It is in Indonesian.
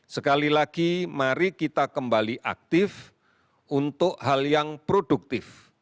sekali lagi mari kita kembali aktif untuk hal yang produktif